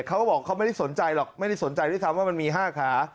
เขาบอกเขาไม่ได้สนใจหรอกไม่ได้สนใจที่ทำว่ามันมีห้าขา